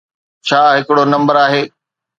ڇا ھڪڙو نمبر آھي؟